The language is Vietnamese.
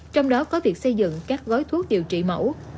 trong đó có việc xây dựng các gói thuốc điều trị mẫu